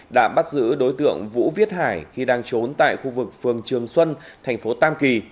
đã bắt giữ đối tượng vũ viết hải khi đang trốn tại khu vực phường trường xuân thành phố tam kỳ